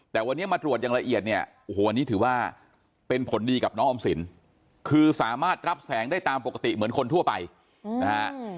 แต่วันนี้มาตรวจอย่างละเอียดเนี่ยโอ้โหอันนี้ถือว่าเป็นผลดีกับน้องออมสินคือสามารถรับแสงได้ตามปกติเหมือนคนทั่วไปนะฮะ